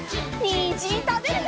にんじんたべるよ！